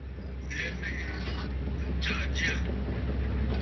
Ghɛ̀ɛ mèʼe ntsàʼà jyâ.